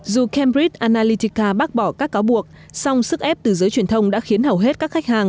dù cambridg analytika bác bỏ các cáo buộc song sức ép từ giới truyền thông đã khiến hầu hết các khách hàng